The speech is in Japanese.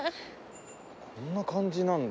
こんな感じなんだ。